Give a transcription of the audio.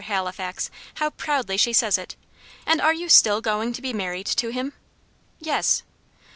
Halifax!' how proudly she says it. And are you still going to be married to him?" "Yes."